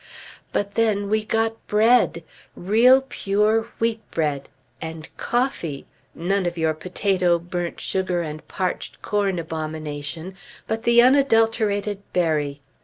But then, we got bread! Real, pure, wheat bread! And coffee! None of your potato, burnt sugar, and parched corn abomination, but the unadulterated berry!